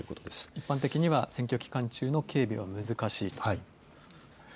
一般的には選挙期間中の警備は難しいと。